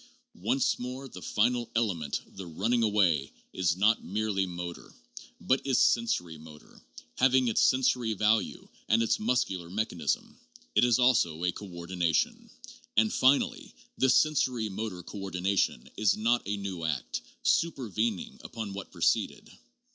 Once more, the final * element,' the running away, is not merely motor, but is sensori motor, having its sensory value and its muscular mechanism. It is also a coordination. And, finally, this sensori motor coordination is not a new act, supervening upon what preceded.